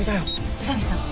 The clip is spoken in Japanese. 宇佐見さん